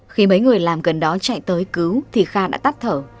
khi mấy người làm gần đó chạy tới cứu thì kha đã tắt thở